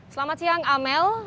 selamat siang amel